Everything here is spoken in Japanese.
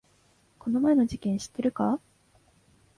この前の事件知ってるか？